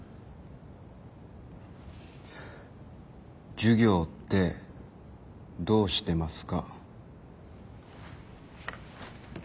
授業ってどうしてますか？